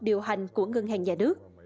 điều hành của ngân hàng nhà nước